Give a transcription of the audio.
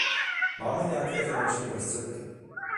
Máme nějaké finanční prostředky.